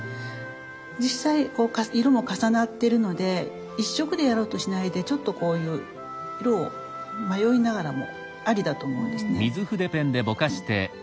実際こう色も重なってるので一色でやろうとしないでちょっとこういう色を迷いながらもありだと思うんですね。